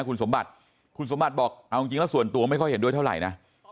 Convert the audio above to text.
คุณสมบัติคุณสมบัติบอกเอาจริงแล้วส่วนตัวไม่ค่อยเห็นด้วยเท่าไหร่นะ